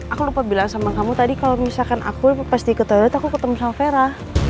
aku lupa bilang sama kamu tadi kalau misalkan aku pas diketahui aku ketemu sama vera